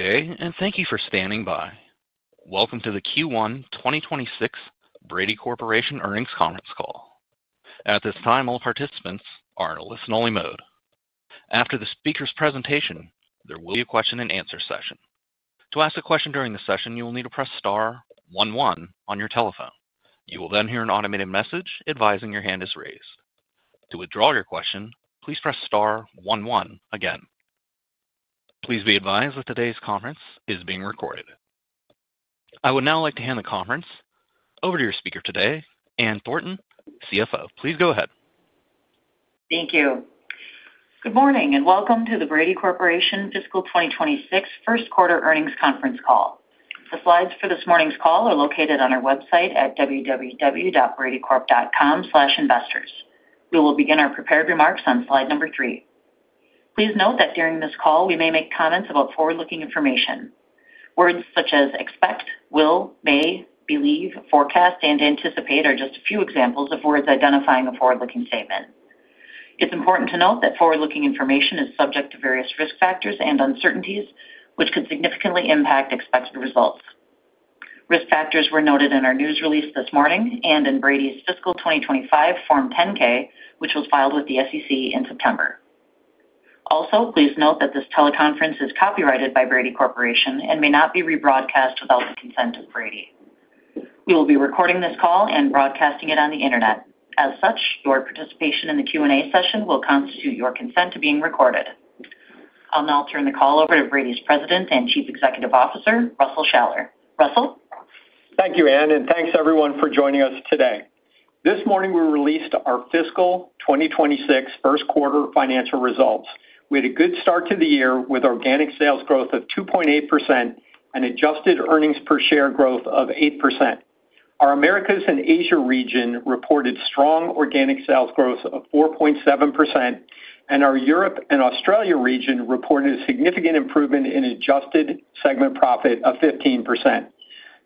Today, and thank you for standing by. Welcome to the Q1 2026 Brady Corporation Earnings Conference Call. At this time, all participants are in listen-only mode. After the speaker's presentation, there will be a question-and-answer session. To ask a question during the session, you will need to press star 11 on your telephone. You will then hear an automated message advising your hand is raised. To withdraw your question, please press star 11 again. Please be advised that today's conference is being recorded. I would now like to hand the conference over to your speaker today, Ann Thornton, CFO. Please go ahead. Thank you. Good morning and welcome to the Brady Corporation Fiscal 2026 First Quarter Earnings Conference Call. The slides for this morning's call are located on our website at www.bradycorp.com/investors. We will begin our prepared remarks on slide number three. Please note that during this call, we may make comments about forward-looking information. Words such as expect, will, may, believe, forecast, and anticipate are just a few examples of words identifying a forward-looking statement. It is important to note that forward-looking information is subject to various risk factors and uncertainties, which could significantly impact expected results. Risk factors were noted in our news release this morning and in Brady's Fiscal 2025 Form 10-K, which was filed with the SEC in September. Also, please note that this teleconference is copyrighted by Brady Corporation and may not be rebroadcast without the consent of Brady. We will be recording this call and broadcasting it on the internet. As such, your participation in the Q&A session will constitute your consent to being recorded. I'll now turn the call over to Brady's President and Chief Executive Officer, Russell Shaller. Russell? Thank you, Ann, and thanks everyone for joining us today. This morning, we released our Fiscal 2026 First Quarter financial results. We had a good start to the year with organic sales growth of 2.8% and adjusted earnings per share growth of 8%. Our Americas and Asia region reported strong organic sales growth of 4.7%, and our Europe and Australia region reported a significant improvement in adjusted segment profit of 15%.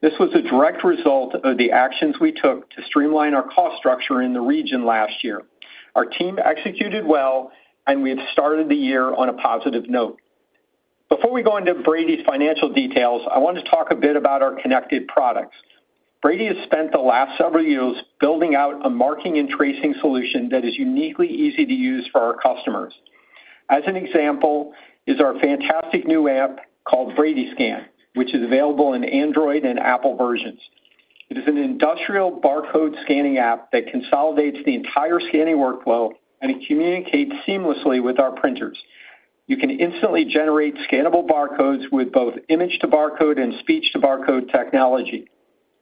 This was a direct result of the actions we took to streamline our cost structure in the region last year. Our team executed well, and we have started the year on a positive note. Before we go into Brady's financial details, I want to talk a bit about our connected products. Brady has spent the last several years building out a marking and tracing solution that is uniquely easy to use for our customers. As an example is our fantastic new app called BradyScan, which is available in Android and Apple versions. It is an industrial barcode scanning app that consolidates the entire scanning workflow and communicates seamlessly with our printers. You can instantly generate scannable barcodes with both image-to-barcode and speech-to-barcode technology.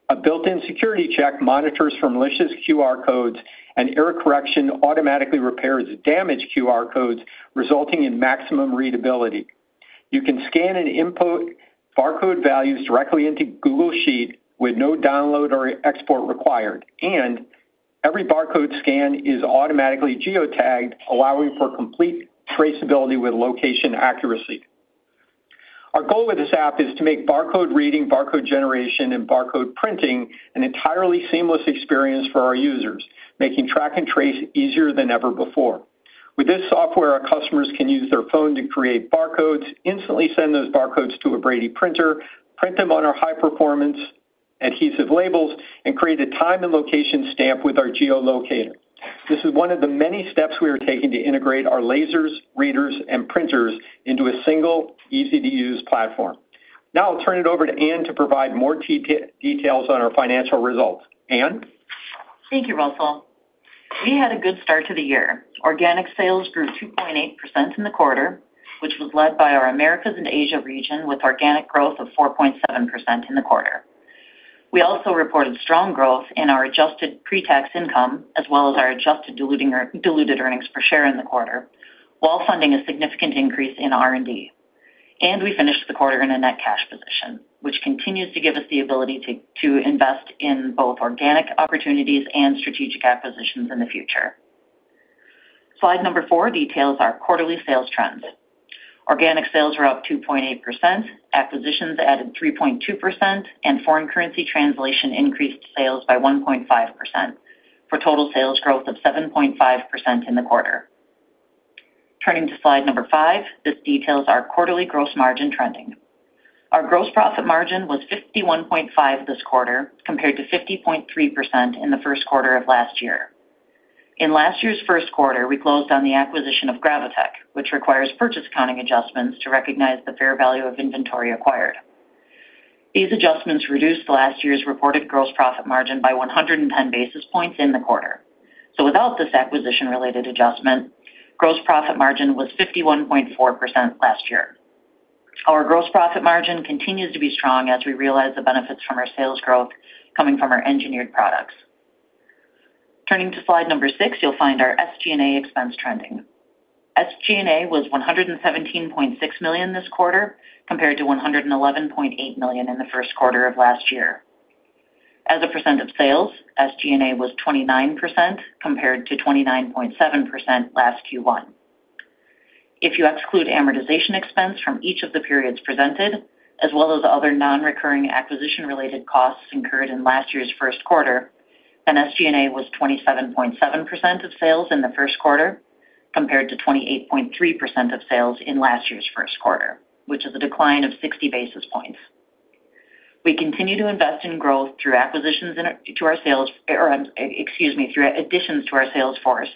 A built-in security check monitors for malicious QR codes, and error correction automatically repairs damaged QR codes, resulting in maximum readability. You can scan and input barcode values directly into Google Sheets with no download or export required, and every barcode scan is automatically geotagged, allowing for complete traceability with location accuracy. Our goal with this app is to make barcode reading, barcode generation, and barcode printing an entirely seamless experience for our users, making track and trace easier than ever before. With this software, our customers can use their phone to create barcodes, instantly send those barcodes to a Brady printer, print them on our high-performance adhesive labels, and create a time and location stamp with our geolocator. This is one of the many steps we are taking to integrate our lasers, readers, and printers into a single, easy-to-use platform. Now I'll turn it over to Ann to provide more details on our financial results. Ann? Thank you, Russell. We had a good start to the year. Organic sales grew 2.8% in the quarter, which was led by our Americas and Asia region with organic growth of 4.7% in the quarter. We also reported strong growth in our adjusted pre-tax income, as well as our adjusted diluted earnings per share in the quarter, while funding a significant increase in R&D. We finished the quarter in a net cash position, which continues to give us the ability to invest in both organic opportunities and strategic acquisitions in the future. Slide number four details our quarterly sales trends. Organic sales were up 2.8%, acquisitions added 3.2%, and foreign currency translation increased sales by 1.5% for total sales growth of 7.5% in the quarter. Turning to slide number five, this details our quarterly gross margin trending. Our gross profit margin was 51.5% this quarter, compared to 50.3% in the first quarter of last year. In last year's first quarter, we closed on the acquisition of Gravitech, which requires purchase accounting adjustments to recognize the fair value of inventory acquired. These adjustments reduced last year's reported gross profit margin by 110 basis points in the quarter. Without this acquisition-related adjustment, gross profit margin was 51.4% last year. Our gross profit margin continues to be strong as we realize the benefits from our sales growth coming from our engineered products. Turning to slide number six, you'll find our SG&A expense trending. SG&A was $117.6 million this quarter, compared to $111.8 million in the first quarter of last year. As a percent of sales, SG&A was 29%, compared to 29.7% last Q1. If you exclude amortization expense from each of the periods presented, as well as other non-recurring acquisition-related costs incurred in last year's first quarter, then SG&A was 27.7% of sales in the first quarter, compared to 28.3% of sales in last year's first quarter, which is a decline of 60 basis points. We continue to invest in growth through acquisitions to our sales—excuse me—through additions to our sales force,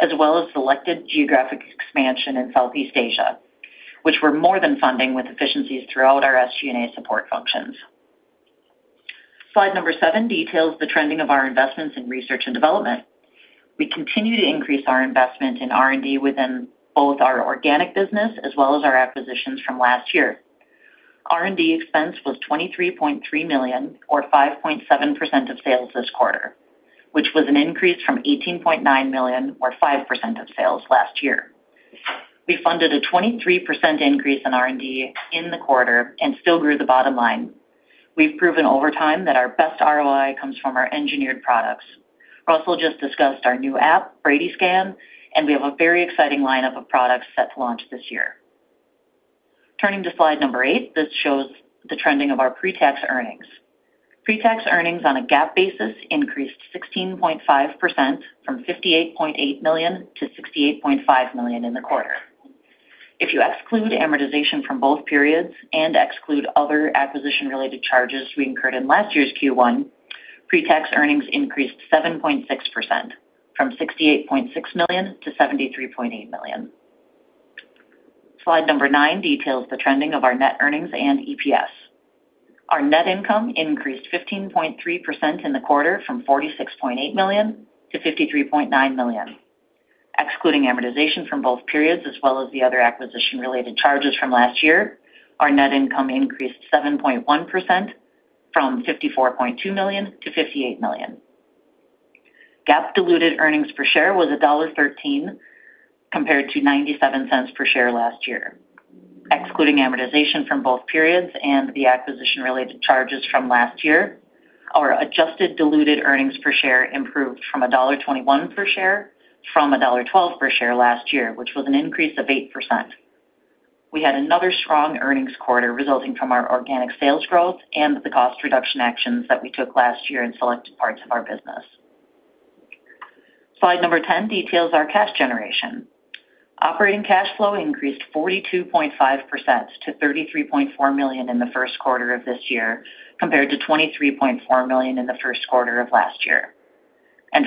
as well as selected geographic expansion in Southeast Asia, which we're more than funding with efficiencies throughout our SG&A support functions. Slide number seven details the trending of our investments in research and development. We continue to increase our investment in R&D within both our organic business as well as our acquisitions from last year. R&D expense was $23.3 million, or 5.7% of sales this quarter, which was an increase from $18.9 million, or 5% of sales last year. We funded a 23% increase in R&D in the quarter and still grew the bottom line. We've proven over time that our best ROI comes from our engineered products. Russell just discussed our new app, BradyScan, and we have a very exciting lineup of products set to launch this year. Turning to slide number eight, this shows the trending of our pre-tax earnings. Pre-tax earnings on a GAAP basis increased 16.5% from $58.8 million to $68.5 million in the quarter. If you exclude amortization from both periods and exclude other acquisition-related charges we incurred in last year's Q1, pre-tax earnings increased 7.6% from $68.6 million to $73.8 million. Slide number nine details the trending of our net earnings and EPS. Our net income increased 15.3% in the quarter from $46.8 million to $53.9 million. Excluding amortization from both periods as well as the other acquisition-related charges from last year, our net income increased 7.1% from $54.2 million to $58 million. GAAP-diluted earnings per share was $1.13 compared to $0.97 per share last year. Excluding amortization from both periods and the acquisition-related charges from last year, our adjusted diluted earnings per share improved to $1.21 per share from $1.12 per share last year, which was an increase of 8%. We had another strong earnings quarter resulting from our organic sales growth and the cost reduction actions that we took last year in selected parts of our business. Slide number 10 details our cash generation. Operating cash flow increased 42.5% to $33.4 million in the first quarter of this year, compared to $23.4 million in the first quarter of last year.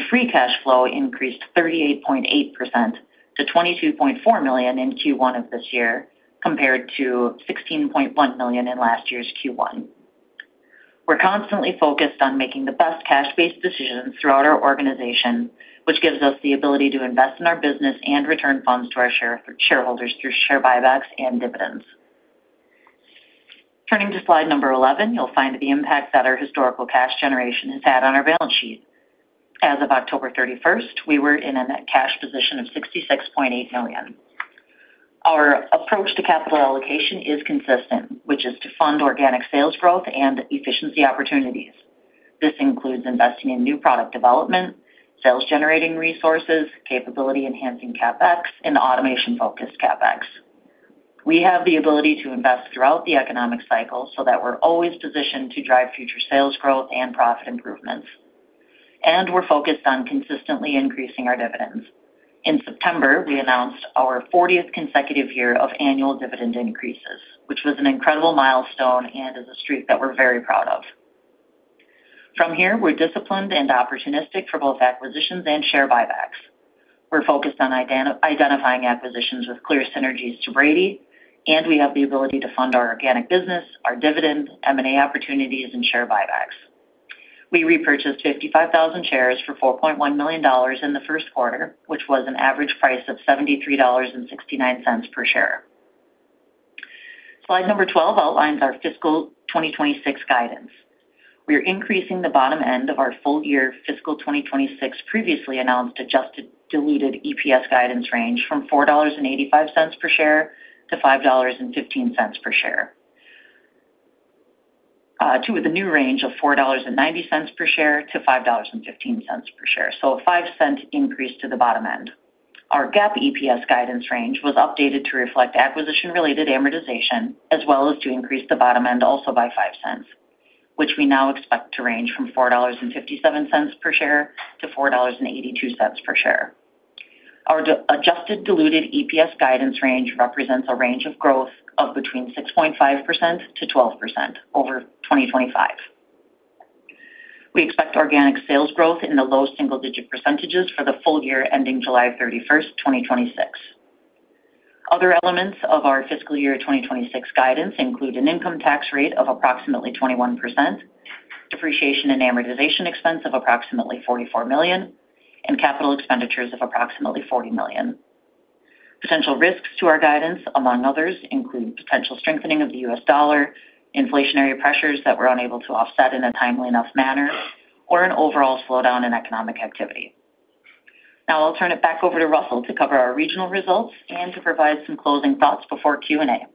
Free cash flow increased 38.8% to $22.4 million in Q1 of this year, compared to $16.1 million in last year's Q1. We're constantly focused on making the best cash-based decisions throughout our organization, which gives us the ability to invest in our business and return funds to our shareholders through share buybacks and dividends. Turning to slide number 11, you'll find the impact that our historical cash generation has had on our balance sheet. As of October 31, we were in a net cash position of $66.8 million. Our approach to capital allocation is consistent, which is to fund organic sales growth and efficiency opportunities. This includes investing in new product development, sales-generating resources, capability-enhancing CapEx, and automation-focused CapEx. We have the ability to invest throughout the economic cycle so that we're always positioned to drive future sales growth and profit improvements. We're focused on consistently increasing our dividends. In September, we announced our 40th consecutive year of annual dividend increases, which was an incredible milestone and is a streak that we're very proud of. From here, we're disciplined and opportunistic for both acquisitions and share buybacks. We're focused on identifying acquisitions with clear synergies to Brady, and we have the ability to fund our organic business, our dividend, M&A opportunities, and share buybacks. We repurchased 55,000 shares for $4.1 million in the first quarter, which was an average price of $73.69 per share. Slide number 12 outlines our fiscal 2026 guidance. We are increasing the bottom end of our full year Fiscal 2026 previously announced adjusted diluted EPS guidance range from $4.85 per share to $5.15 per share, to the new range of $4.90 per share to $5.15 per share, so a 5-cent increase to the bottom end. Our GAAP EPS guidance range was updated to reflect acquisition-related amortization, as well as to increase the bottom end also by $0.05, which we now expect to range from $4.57 per share to $4.82 per share. Our adjusted diluted EPS guidance range represents a range of growth of between 6.5%-12% over 2025. We expect organic sales growth in the low single-digit percentages for the full year ending July 31, 2026. Other elements of our fiscal year 2026 guidance include an income tax rate of approximately 21%, depreciation and amortization expense of approximately $44 million, and capital expenditures of approximately $40 million. Potential risks to our guidance, among others, include potential strengthening of the US dollar, inflationary pressures that we're unable to offset in a timely enough manner, or an overall slowdown in economic activity. Now I'll turn it back over to Russell to cover our regional results and to provide some closing thoughts before Q&A.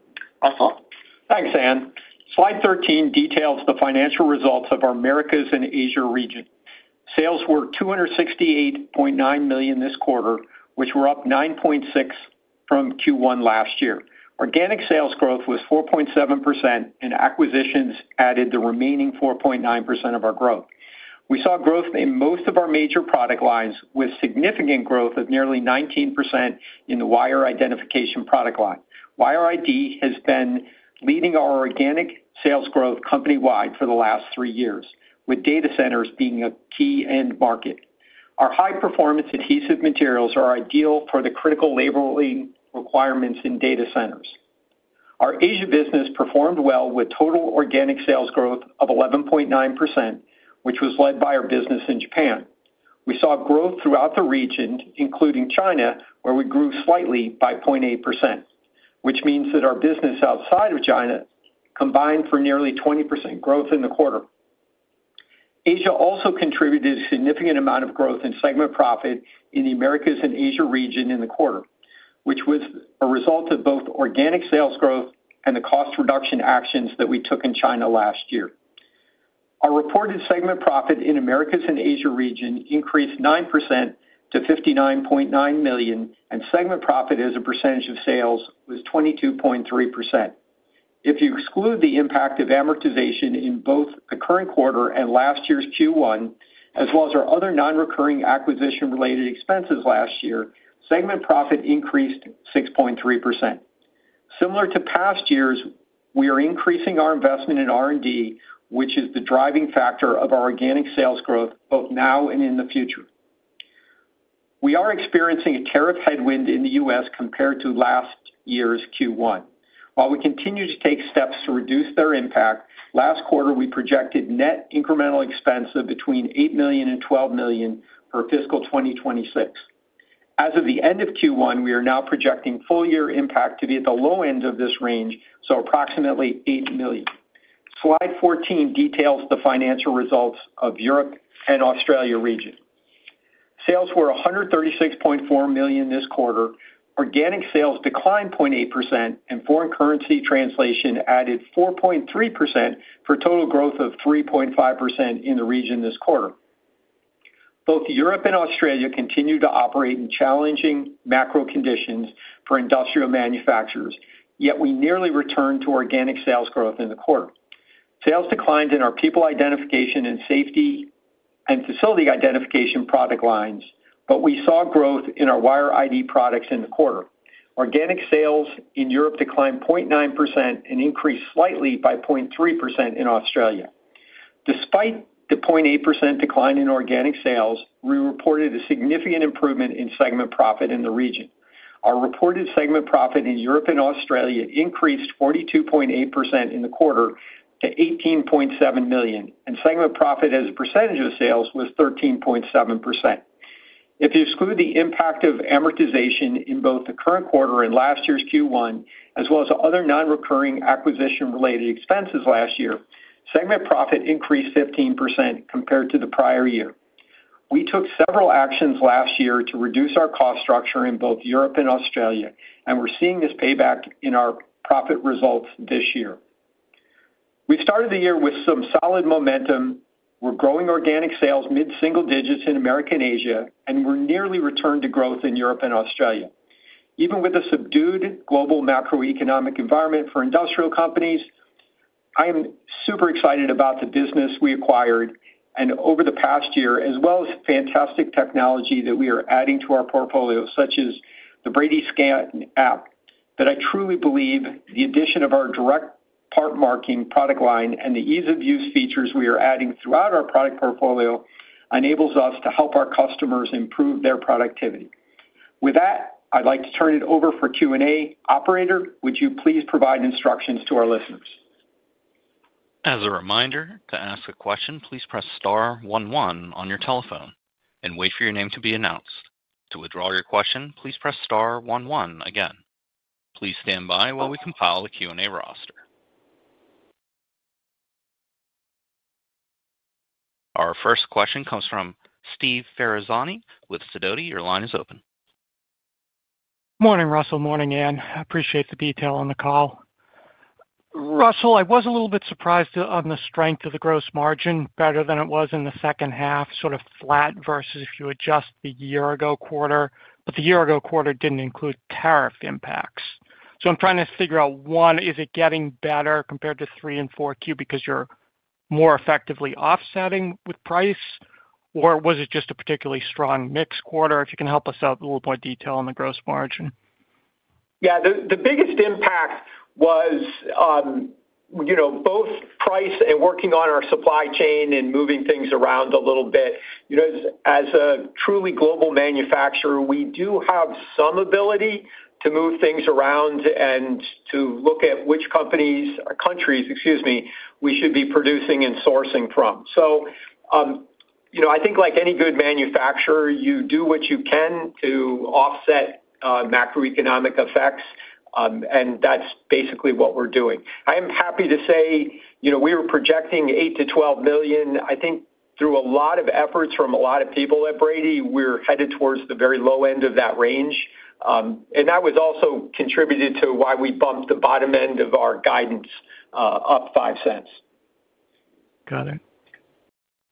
Russell? Thanks, Ann. Slide 13 details the financial results of our Americas and Asia region. Sales were $268.9 million this quarter, which were up 9.6% from Q1 last year. Organic sales growth was 4.7%, and acquisitions added the remaining 4.9% of our growth. We saw growth in most of our major product lines, with significant growth of nearly 19% in the wire identification product line. Wire ID has been leading our organic sales growth company-wide for the last three years, with data centers being a key end market. Our high-performance adhesive materials are ideal for the critical labeling requirements in data centers. Our Asia business performed well with total organic sales growth of 11.9%, which was led by our business in Japan. We saw growth throughout the region, including China, where we grew slightly by 0.8%, which means that our business outside of China combined for nearly 20% growth in the quarter. Asia also contributed a significant amount of growth in segment profit in the Americas and Asia region in the quarter, which was a result of both organic sales growth and the cost reduction actions that we took in China last year. Our reported segment profit in Americas and Asia region increased 9% to $59.9 million, and segment profit as a percentage of sales was 22.3%. If you exclude the impact of amortization in both the current quarter and last year's Q1, as well as our other non-recurring acquisition-related expenses last year, segment profit increased 6.3%. Similar to past years, we are increasing our investment in R&D, which is the driving factor of our organic sales growth both now and in the future. We are experiencing a tariff headwind in the U.S. compared to last year's Q1. While we continue to take steps to reduce their impact, last quarter we projected net incremental expense of between $8 million and $12 million for fiscal 2026. As of the end of Q1, we are now projecting full year impact to be at the low end of this range, so approximately $8 million. Slide 14 details the financial results of Europe and Australia region. Sales were $136.4 million this quarter. Organic sales declined 0.8%, and foreign currency translation added 4.3% for a total growth of 3.5% in the region this quarter. Both Europe and Australia continue to operate in challenging macro conditions for industrial manufacturers, yet we nearly returned to organic sales growth in the quarter. Sales declined in our people identification and safety and facility identification product lines, but we saw growth in our wire ID products in the quarter. Organic sales in Europe declined 0.9% and increased slightly by 0.3% in Australia. Despite the 0.8% decline in organic sales, we reported a significant improvement in segment profit in the region. Our reported segment profit in Europe and Australia increased 42.8% in the quarter to $18.7 million, and segment profit as a percentage of sales was 13.7%. If you exclude the impact of amortization in both the current quarter and last year's Q1, as well as other non-recurring acquisition-related expenses last year, segment profit increased 15% compared to the prior year. We took several actions last year to reduce our cost structure in both Europe and Australia, and we're seeing this payback in our profit results this year. We started the year with some solid momentum. We're growing organic sales mid-single digits in America and Asia, and we're nearly returned to growth in Europe and Australia. Even with a subdued global macroeconomic environment for industrial companies, I am super excited about the business we acquired over the past year, as well as fantastic technology that we are adding to our portfolio, such as the BradyScan app. I truly believe the addition of our direct part marking product line and the ease-of-use features we are adding throughout our product portfolio enables us to help our customers improve their productivity. With that, I'd like to turn it over for Q&A. Operator, would you please provide instructions to our listeners? As a reminder, to ask a question, please press star 1 1 on your telephone and wait for your name to be announced. To withdraw your question, please press star 1 1 again. Please stand by while we compile the Q&A roster. Our first question comes from Steve Ferazani with Sidoti. Your line is open. Morning, Russell. Morning, Ann. I appreciate the detail on the call. Russell, I was a little bit surprised on the strength of the gross margin, better than it was in the second half, sort of flat versus if you adjust the year-ago quarter. The year-ago quarter didn't include tariff impacts. I'm trying to figure out, one, is it getting better compared to three and four Q because you're more effectively offsetting with price, or was it just a particularly strong mix quarter? If you can help us out a little more detail on the gross margin. Yeah. The biggest impact was both price and working on our supply chain and moving things around a little bit. As a truly global manufacturer, we do have some ability to move things around and to look at which companies or countries, excuse me, we should be producing and sourcing from. I think, like any good manufacturer, you do what you can to offset macroeconomic effects, and that's basically what we're doing. I am happy to say we were projecting $8 million-$12 million. I think through a lot of efforts from a lot of people at Brady, we're headed towards the very low end of that range. That was also contributed to why we bumped the bottom end of our guidance up $0.05. Got it.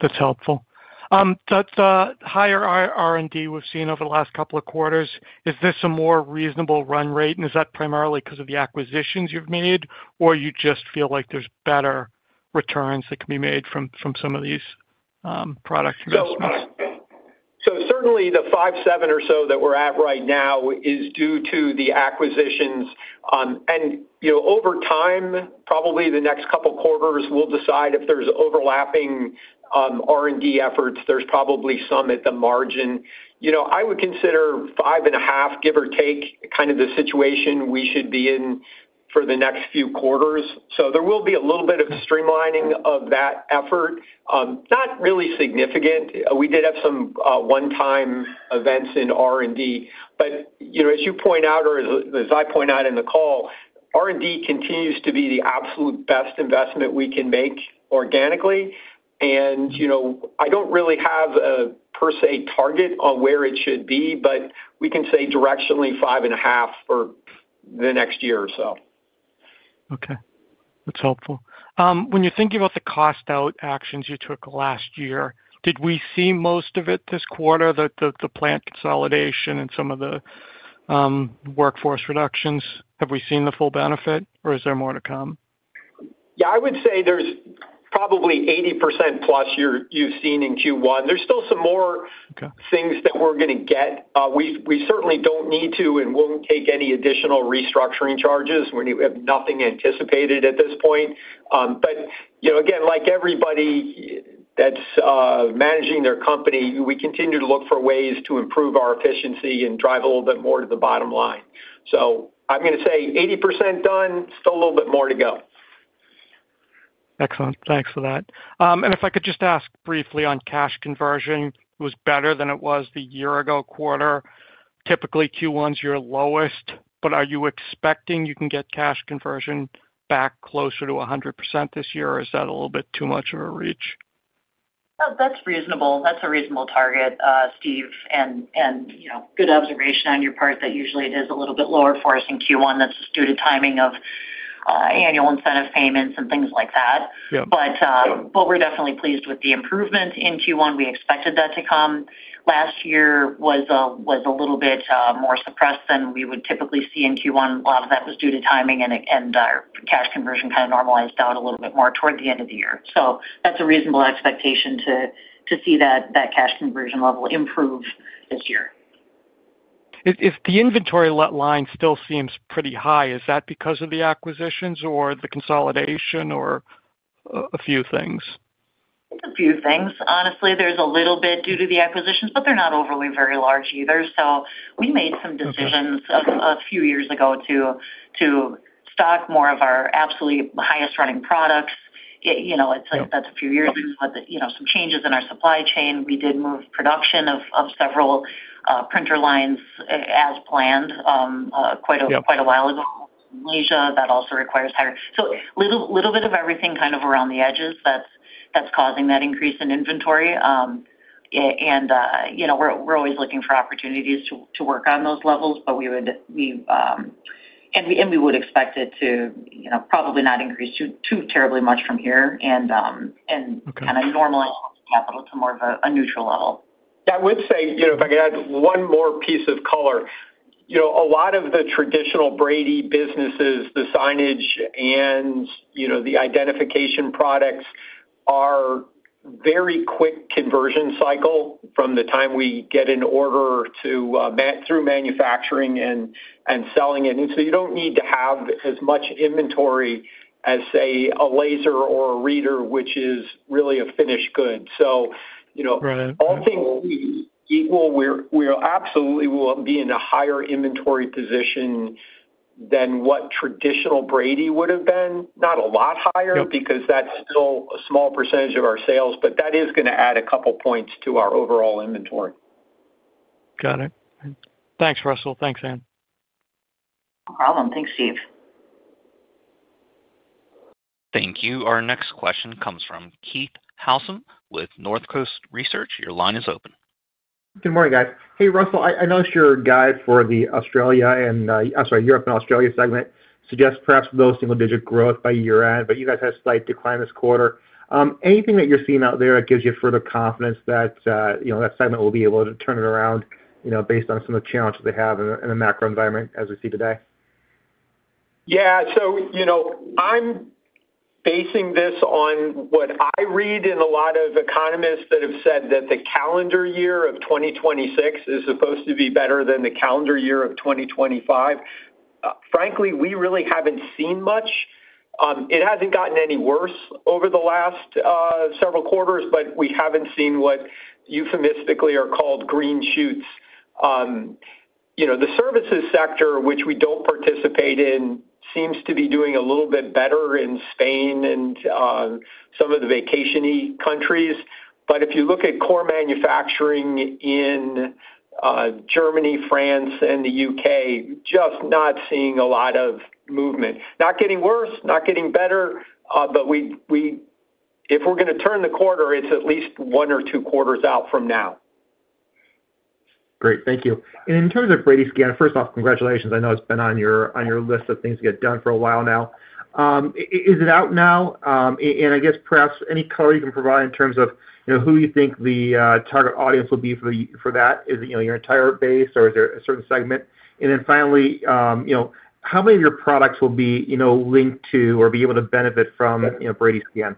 That's helpful. That higher R&D we've seen over the last couple of quarters, is this a more reasonable run rate, and is that primarily because of the acquisitions you've made, or you just feel like there's better returns that can be made from some of these product investments? Certainly the 5.7 or so that we're at right now is due to the acquisitions. Over time, probably the next couple of quarters, we'll decide if there's overlapping R&D efforts. There's probably some at the margin. I would consider five and a half, give or take, kind of the situation we should be in for the next few quarters. There will be a little bit of streamlining of that effort, not really significant. We did have some one-time events in R&D. As you point out, or as I point out in the call, R&D continues to be the absolute best investment we can make organically. I don't really have a per se target on where it should be, but we can say directionally five and a half for the next year or so. Okay. That's helpful. When you're thinking about the cost-out actions you took last year, did we see most of it this quarter, the plant consolidation and some of the workforce reductions? Have we seen the full benefit, or is there more to come? Yeah. I would say there's probably 80% plus you've seen in Q1. There's still some more things that we're going to get. We certainly don't need to and won't take any additional restructuring charges. We have nothing anticipated at this point. Again, like everybody that's managing their company, we continue to look for ways to improve our efficiency and drive a little bit more to the bottom line. I'm going to say 80% done, still a little bit more to go. Excellent. Thanks for that. If I could just ask briefly on cash conversion, it was better than it was the year-ago quarter. Typically, Q1s are your lowest, but are you expecting you can get cash conversion back closer to 100% this year, or is that a little bit too much of a reach? Oh, that's reasonable. That's a reasonable target, Steve. Good observation on your part that usually it is a little bit lower for us in Q1. That is due to timing of annual incentive payments and things like that. We are definitely pleased with the improvement in Q1. We expected that to come. Last year was a little bit more suppressed than we would typically see in Q1. A lot of that was due to timing, and our cash conversion kind of normalized out a little bit more toward the end of the year. That is a reasonable expectation to see that cash conversion level improve this year. If the inventory line still seems pretty high, is that because of the acquisitions or the consolidation or a few things? It's a few things. Honestly, there's a little bit due to the acquisitions, but they're not overly very large either. We made some decisions a few years ago to stock more of our absolutely highest-running products. It's like that's a few years ago, but some changes in our supply chain. We did move production of several printer lines as planned quite a while ago in Asia. That also requires higher, so a little bit of everything kind of around the edges that's causing that increase in inventory. We're always looking for opportunities to work on those levels, but we would expect it to probably not increase too terribly much from here and kind of normalize capital to more of a neutral level. I would say, if I could add one more piece of color, a lot of the traditional Brady businesses, the signage and the identification products are very quick conversion cycle from the time we get an order through manufacturing and selling it. You do not need to have as much inventory as, say, a laser or a reader, which is really a finished good. All things equal, we absolutely will be in a higher inventory position than what traditional Brady would have been. Not a lot higher because that is still a small percentage of our sales, but that is going to add a couple of points to our overall inventory. Got it. Thanks, Russell. Thanks, Ann. No problem. Thanks, Steve. Thank you. Our next question comes from Keith Housum with North Coast Research. Your line is open. Good morning, guys. Hey, Russell. I noticed your guide for the Europe and Australia segment suggests perhaps low single-digit growth by year-end, but you guys had a slight decline this quarter. Anything that you're seeing out there that gives you further confidence that that segment will be able to turn it around based on some of the challenges they have in the macro environment as we see today? Yeah. So I'm basing this on what I read in a lot of economists that have said that the calendar year of 2026 is supposed to be better than the calendar year of 2025. Frankly, we really haven't seen much. It hasn't gotten any worse over the last several quarters, but we haven't seen what euphemistically are called green shoots. The services sector, which we don't participate in, seems to be doing a little bit better in Spain and some of the vacationy countries. If you look at core manufacturing in Germany, France, and the U.K., just not seeing a lot of movement. Not getting worse, not getting better, but if we're going to turn the quarter, it's at least one or two quarters out from now. Great. Thank you. In terms of BradyScan, first off, congratulations. I know it's been on your list of things to get done for a while now. Is it out now? I guess perhaps any color you can provide in terms of who you think the target audience will be for that? Is it your entire base, or is there a certain segment? Finally, how many of your products will be linked to or be able to benefit from BradyScan?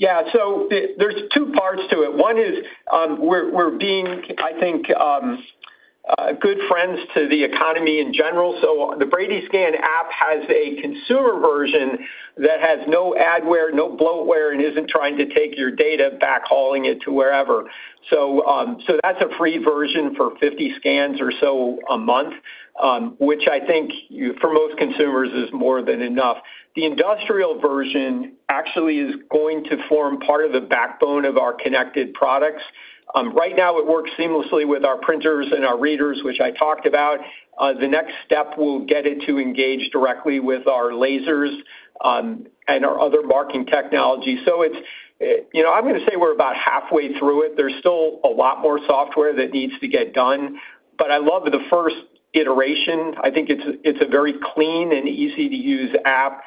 Yeah. So there's two parts to it. One is we're being, I think, good friends to the economy in general. So the BradyScan app has a consumer version that has no adware, no bloatware, and isn't trying to take your data backhauling it to wherever. So that's a free version for 50 scans or so a month, which I think for most consumers is more than enough. The industrial version actually is going to form part of the backbone of our connected products. Right now, it works seamlessly with our printers and our readers, which I talked about. The next step will get it to engage directly with our lasers and our other marking technology. I'm going to say we're about halfway through it. There's still a lot more software that needs to get done. But I love the first iteration. I think it's a very clean and easy-to-use app,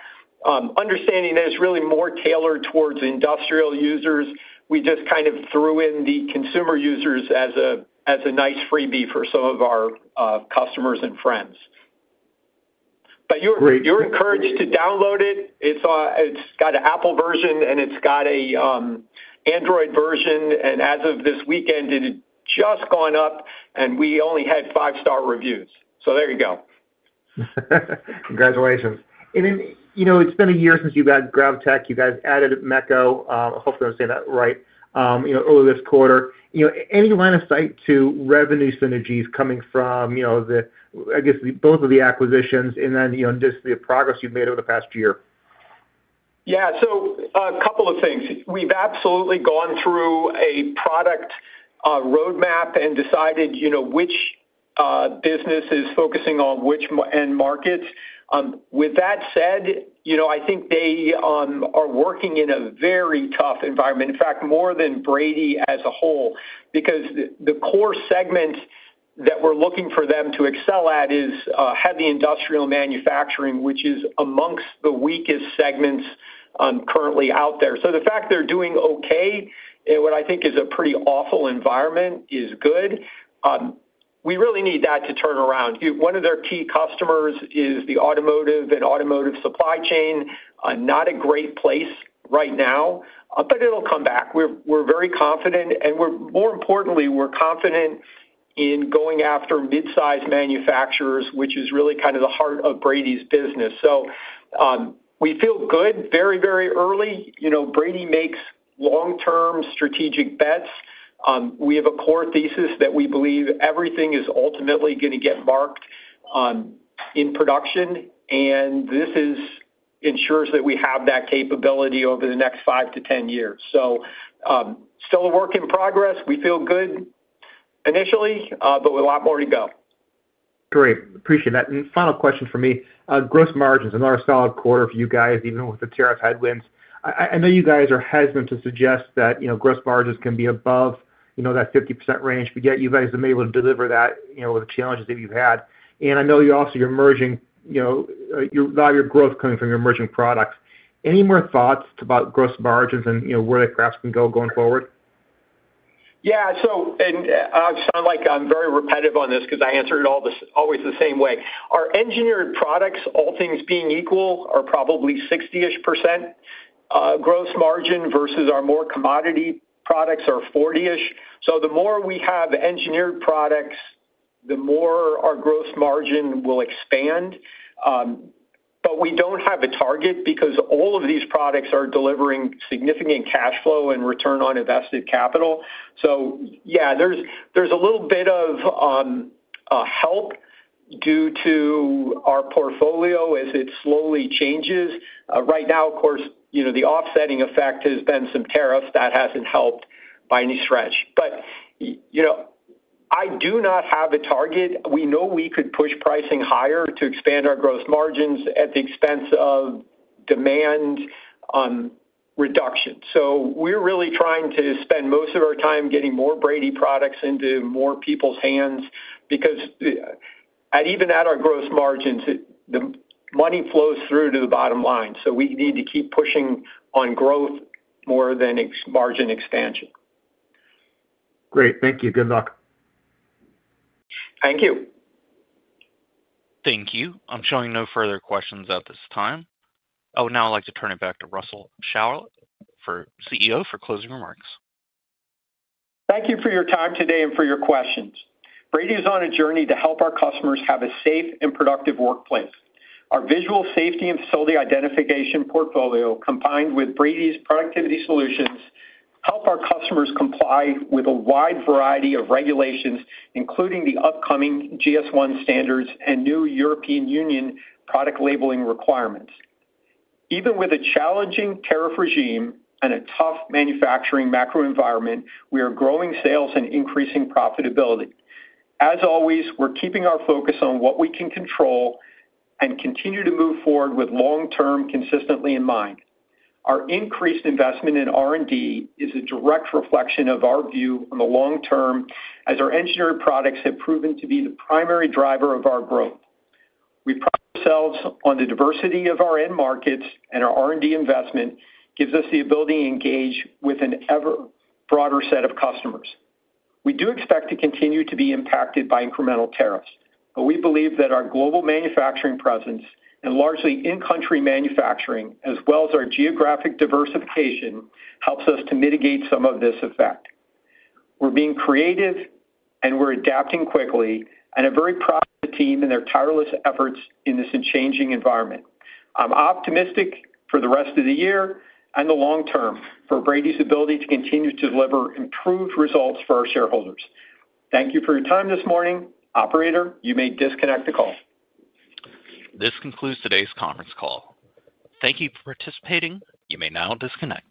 understanding that it's really more tailored towards industrial users. We just kind of threw in the consumer users as a nice freebie for some of our customers and friends. You are encouraged to download it. It's got an Apple version, and it's got an Android version. As of this weekend, it had just gone up, and we only had five-star reviews. There you go. Congratulations. It's been a year since you've had Gravitech. You guys added MECCO, hopefully I'm saying that right, early this quarter. Any line of sight to revenue synergies coming from, I guess, both of the acquisitions and then just the progress you've made over the past year? Yeah. So a couple of things. We've absolutely gone through a product roadmap and decided which business is focusing on which end markets. With that said, I think they are working in a very tough environment, in fact, more than Brady as a whole, because the core segment that we're looking for them to excel at is heavy industrial manufacturing, which is amongst the weakest segments currently out there. The fact they're doing okay in what I think is a pretty awful environment is good. We really need that to turn around. One of their key customers is the automotive and automotive supply chain. Not a great place right now, but it'll come back. We're very confident. More importantly, we're confident in going after mid-size manufacturers, which is really kind of the heart of Brady's business. We feel good very, very early. Brady makes long-term strategic bets. We have a core thesis that we believe everything is ultimately going to get marked in production, and this ensures that we have that capability over the next 5 to 10 years. Still a work in progress. We feel good initially, but we have a lot more to go. Great. Appreciate that. Final question for me. Gross margins in our solid quarter for you guys, even with the tariff headwinds. I know you guys are hesitant to suggest that gross margins can be above that 50% range, but yet you guys have been able to deliver that with the challenges that you've had. I know also you're merging a lot of your growth coming from your merging products. Any more thoughts about gross margins and where they perhaps can go going forward? Yeah. I sound like I'm very repetitive on this because I answer it always the same way. Our engineered products, all things being equal, are probably 60% gross margin versus our more commodity products are 40%. The more we have engineered products, the more our gross margin will expand. We do not have a target because all of these products are delivering significant cash flow and return on invested capital. Yeah, there is a little bit of help due to our portfolio as it slowly changes. Right now, of course, the offsetting effect has been some tariffs. That has not helped by any stretch. I do not have a target. We know we could push pricing higher to expand our gross margins at the expense of demand reduction. We're really trying to spend most of our time getting more Brady products into more people's hands because even at our gross margins, the money flows through to the bottom line. We need to keep pushing on growth more than margin expansion. Great. Thank you. Good luck. Thank you. Thank you. I'm showing no further questions at this time. Oh, now I'd like to turn it back to Russell Shaller, CEO, for closing remarks. Thank you for your time today and for your questions. Brady is on a journey to help our customers have a safe and productive workplace. Our visual safety and facility identification portfolio, combined with Brady's productivity solutions, help our customers comply with a wide variety of regulations, including the upcoming GS1 standards and new European Union product labeling requirements. Even with a challenging tariff regime and a tough manufacturing macro environment, we are growing sales and increasing profitability. As always, we're keeping our focus on what we can control and continue to move forward with long-term consistently in mind. Our increased investment in R&D is a direct reflection of our view on the long term as our engineered products have proven to be the primary driver of our growth. We pride ourselves on the diversity of our end markets, and our R&D investment gives us the ability to engage with an ever broader set of customers. We do expect to continue to be impacted by incremental tariffs, but we believe that our global manufacturing presence and largely in-country manufacturing, as well as our geographic diversification, helps us to mitigate some of this effect. We're being creative, and we're adapting quickly, and a very proud team and their tireless efforts in this changing environment. I'm optimistic for the rest of the year and the long term for Brady's ability to continue to deliver improved results for our shareholders. Thank you for your time this morning. Operator, you may disconnect the call. This concludes today's conference call. Thank you for participating. You may now disconnect.